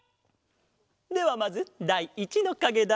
ではまずだい１のかげだ。